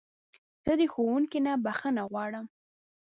زه د ښوونکي نه بخښنه غواړم.